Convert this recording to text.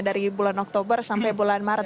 dari bulan oktober sampai bulan maret